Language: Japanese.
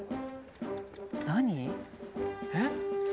何えっ？